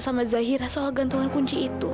sampai jumpa di video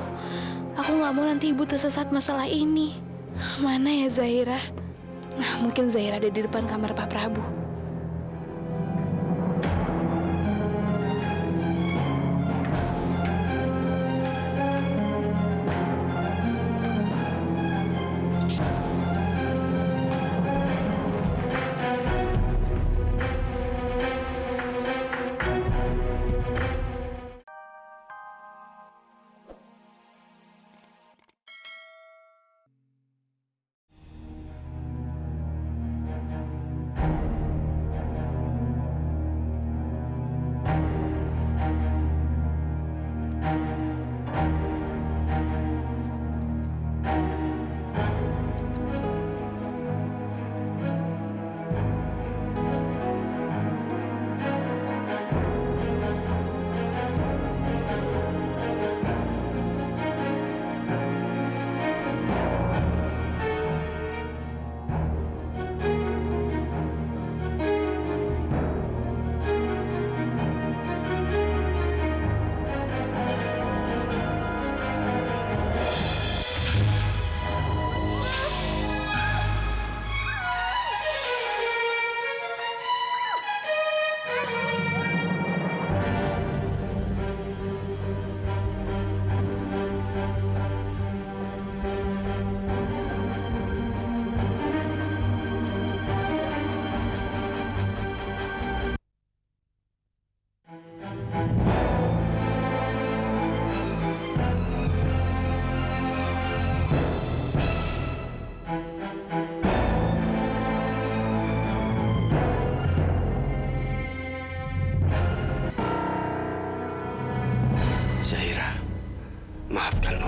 selanjutnya